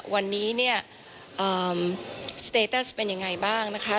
วันนี้สเตตัสเป็นอย่างไรบ้างนะคะ